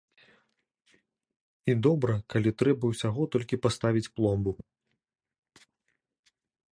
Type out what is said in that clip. І добра, калі трэба ўсяго толькі паставіць пломбу.